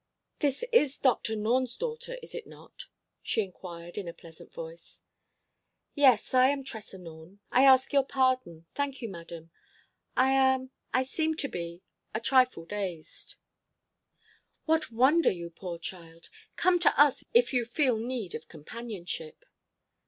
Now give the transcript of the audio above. "This is Doctor Norne's daughter, is it not?" she inquired in a pleasant voice. "Yes, I am Tressa Norne.... I ask your pardon.... Thank you, madam:—I am—I seem to be—a trifle dazed——" "What wonder, you poor child! Come to us if you feel need of companionship."